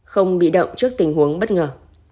không bị động trước tình huống bất ngờ